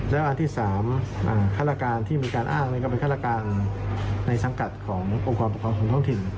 แล้วอันที่๓ฆาตการที่มีการอ้างก็เป็นฆาตการในสังกัดขององค์กรปกครองของท้องถิ่น